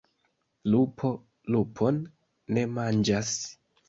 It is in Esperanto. Lupo lupon ne manĝas.